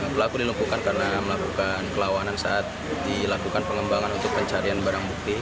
pelaku dilumpuhkan karena melakukan kelawanan saat dilakukan pengembangan untuk pencarian barang bukti